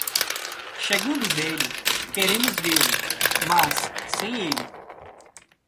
Chegando velho, queremos vê-lo, mas sem ele.